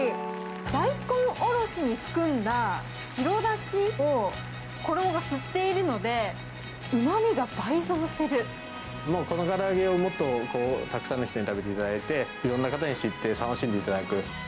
大根おろしに含んだ白だしを衣が吸っているので、うまみが倍増しこのから揚げをもっとたくさんの人に食べていただいて、いろんな方に知って楽しんでいただく。